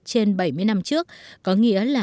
trên bảy mươi năm trước có nghĩa là